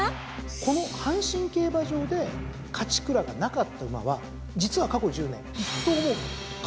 この阪神競馬場で勝ちくらがなかった馬は実は過去１０年一頭も勝ててはいないんです。